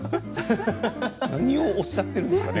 何をおっしゃっているんですかね